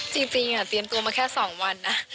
เตรียมตัวมาแค่๒วันนะ